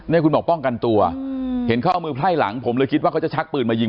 นี่คุณบอกป้องกันตัวเห็นเขาเอามือไพร่หลังผมเลยคิดว่าเขาจะชักปืนมายิง